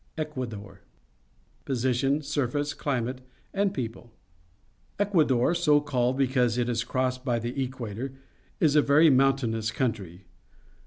ECUADOR Position, Surface, Climate, and People. — Ecuador, so called because it is crossed by the equator, is a very mountainous country.